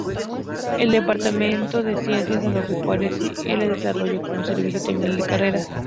El Departamento de Ciencias Agropecuarias era el más desarrollado como servicio terminal a carreras.